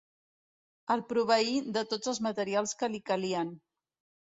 El proveí de tots els materials que li calien.